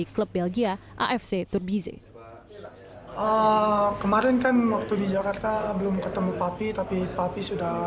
klub belgia afc turbyz kemarin kan waktu di jakarta belum ketemu papi tapi papi sudah